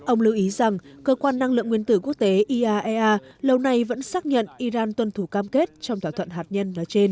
ông lưu ý rằng cơ quan năng lượng nguyên tử quốc tế iaea lâu nay vẫn xác nhận iran tuân thủ cam kết trong thỏa thuận hạt nhân nói trên